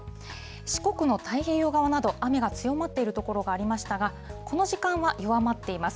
四国の太平洋側など、雨が強まっている所がありましたが、この時間は弱まっています。